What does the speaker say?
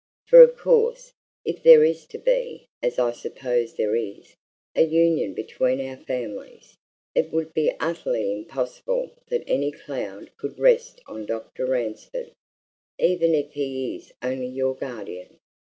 For of course, if there is to be as I suppose there is a union between our families, it would be utterly impossible that any cloud could rest on Dr. Ransford, even if he is only your guardian.